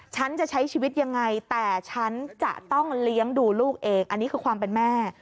ฉันจะใช้ชีวิตยังไงแต่ฉันจะต้องเลี้ยงดูลูกเองอันนี้คือความเป็นแม่